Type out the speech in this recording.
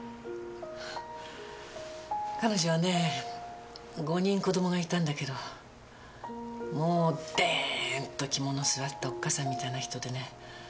彼女はねぇ５人子どもがいたんだけどもうデーンと肝の据わったおっ母さんみたいな人でね。